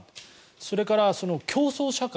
それから、競争社会。